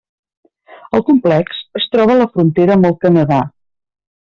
El complex es troba a la frontera amb el Canadà.